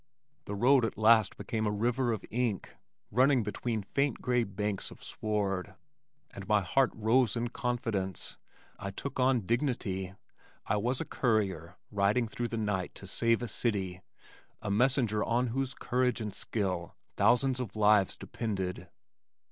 The road at last became a river of ink running between faint gray banks of sward, and my heart rose in confidence. I took on dignity. I was a courier riding through the night to save a city, a messenger on whose courage and skill thousands of lives depended.